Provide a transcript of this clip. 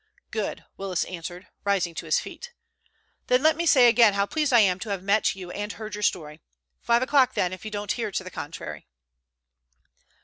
"Good," Willis answered, rising to his feet. "Then let me say again how pleased I am to have met you and heard your story. Five o'clock, then, if you don't hear to the contrary."